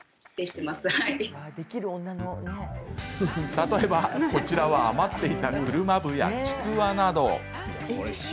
例えば、こちらは余っていた車麩や、ちくわなど。